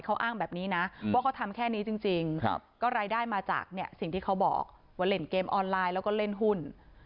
เขาอ้างแบบนี้นะว่าเขาทำแค่นี้จริงก็รายได้มาจากสิ่งที่เขาบอกว่าเล่นเกมออนไลน์แล้วก็เล่นหุ้น